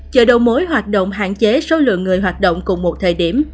chợ đầu mối hoạt động hạn chế số lượng người hoạt động cùng một thời điểm